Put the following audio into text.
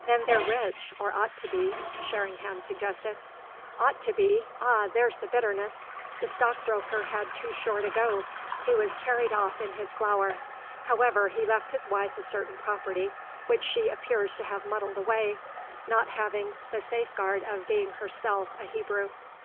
"Then they're rich or ought to be," Sherringham suggested. "Ought to be ah there's the bitterness! The stockbroker had too short a go he was carried off in his flower. However, he left his wife a certain property, which she appears to have muddled away, not having the safeguard of being herself a Hebrew.